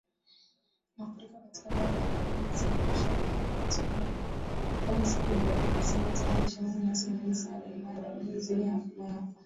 "Mafuriko katika baadhi ya maeneo yalisababisha vifo vya watu kumi siku ya Jumapili", ilisema wizara nchini humo inayosimamia misaada na maandalizi ya maafa.